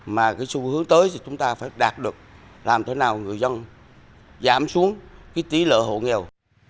mà cái xu hướng tới thì chúng ta phải đạt được làm thế nào người dân giảm xuống cái tí lợi hộ nghèo